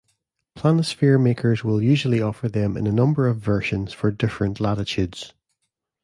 Planisphere makers will usually offer them in a number of versions for different latitudes.